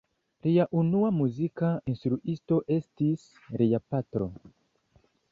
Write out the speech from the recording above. Lia unua muzika instruisto estis lia patro.